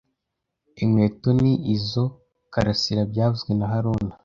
Inkweto ni izoa Karasira byavuzwe na haruna